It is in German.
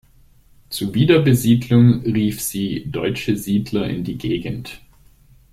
Zu Wiederbesiedlung rief sie deutsche Siedler in die Gegend.